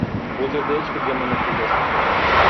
Бул жерде эч бир жаман нерсе жок.